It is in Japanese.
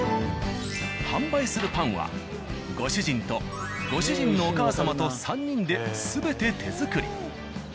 販売するパンはご主人とご主人のお母様と３人で全て手作り。